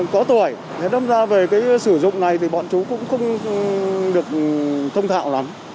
chú thì có tuổi nên đâm ra về cái sử dụng này thì bọn chú cũng không được thông thạo lắm